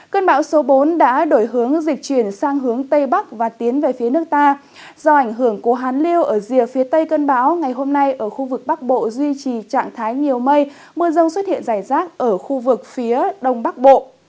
cơn bão số bốn đã đổi hướng dịch chuyển sang hướng tây bắc và tiến về phía nước ta do ảnh hưởng của hán liêu ở rìa phía tây cơn bão ngày hôm nay ở khu vực bắc bộ duy trì trạng thái nhiều mây mưa rông xuất hiện rải rác ở khu vực phía đông bắc bộ